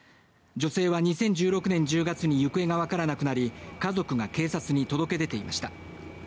女性は２０１６年１０月に行方がわからなくなり家族が警察に届け出ていました。